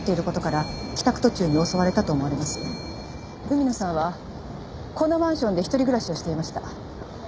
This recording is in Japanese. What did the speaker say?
海野さんはこのマンションで一人暮らしをしていました。